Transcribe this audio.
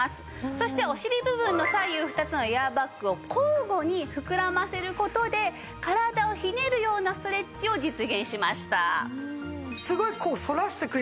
そしてお尻部分の左右２つのエアバッグを交互に膨らませる事で体をひねるようなストレッチを実現しました。